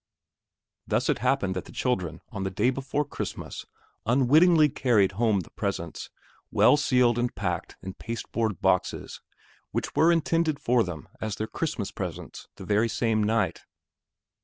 Thus it happened that the children on the day before Christmas unwittingly carried home the presents well sealed and packed in paste board boxes which were intended for them as their Christmas presents the very same night.